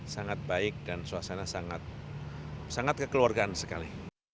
sangat baik dan suasana sangat kekeluargaan sekali